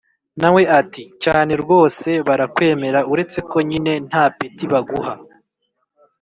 nawe ati: cyane rwose! barakwemera uretse ko nyine nta peti baguha!